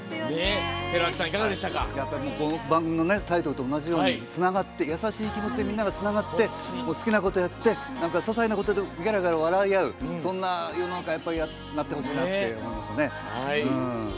この番組のタイトルと同じように優しい気持ちでみんながつながって好きなことやってささいなことでゲラゲラ笑いあうそんな世の中になってほしいなと思いますよね。